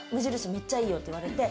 めっちゃいいよって言われて。